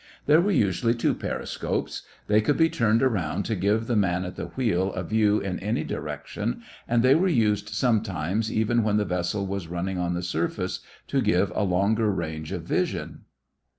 There were usually two periscopes. They could be turned around to give the man at the wheel a view in any direction and they were used sometimes even when the vessel was running on the surface, to give a longer range of vision.